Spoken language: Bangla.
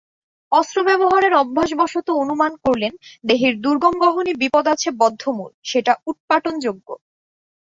অস্ত্রব্যবহারের অভ্যাসবশত অনুমান করলেন, দেহের দুর্গম গহনে বিপদ আছে বদ্ধমূল, সেটা উৎপাটনযোগ্য।